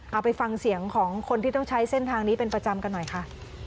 เอาไปฟังเสียงของคนที่ต้องใช้เส้นทางนี้เป็นประจำกันหน่อยค่ะ